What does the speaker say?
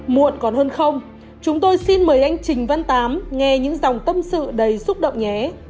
muộn còn hơn không chúng tôi xin mời anh trình văn tám nghe những dòng tâm sự đầy xúc động nhé